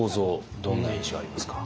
どんな印象ありますか？